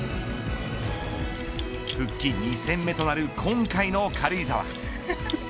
復帰２戦目となる今回の軽井沢。